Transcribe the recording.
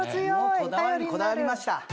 こだわりにこだわりました。